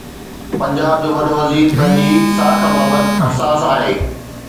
پنجاب جو وڏو وزير پنهنجي ساک بابت حساس آهي.